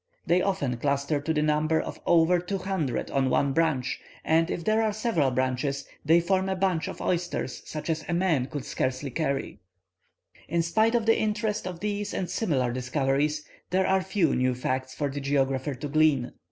They often cluster to the number of over two hundred on one branch, and if there are several branches, they form a bunch of oysters such as a man could scarcely carry." [Illustration: The Baobab.] In spite of the interest of these and similar discoveries, there are few new facts for the geographer to glean.